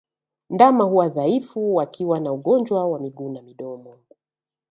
Ndama huwa dhaifu wakiwa na ugonjwa wa miguu na midomo